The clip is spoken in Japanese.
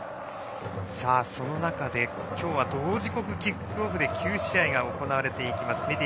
その中で今日は同時刻キックオフで９試合が行われていきます。